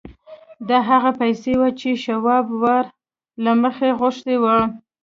دا هغه پیسې وې چې شواب وار له مخه غوښتي وو